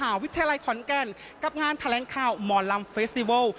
วิทยาลัยขอนแก่นกับงานแถลงข่าวหมอลำเฟสติเวิล